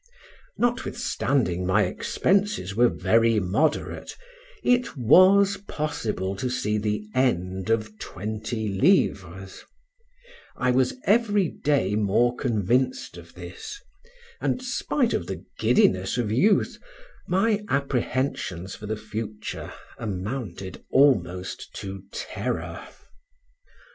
Notwithstanding my expenses were very moderate, it was possible to see the end of twenty livres; I was every day more convinced of this, and, spite of the giddiness of youth, my apprehensions for the future amounted almost to terror.